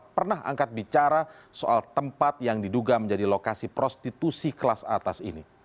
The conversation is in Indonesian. pernah angkat bicara soal tempat yang diduga menjadi lokasi prostitusi kelas atas ini